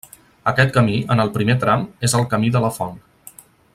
Aquest camí en el primer tram és el Camí de la Font.